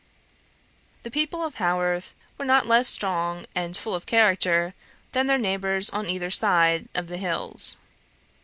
The people of Haworth were not less strong and full of character than their neighbours on either side of the hills.